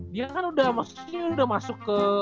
dia kan udah masuk ke